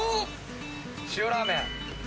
塩ラーメン。